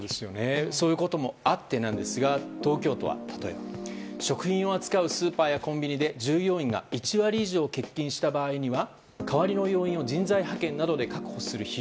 そういうこともあってなんですが東京都は、例えば食品を扱うスーパーやコンビニで従業員が１割以上欠勤した場合には代わりの要員を人材派遣などで確保する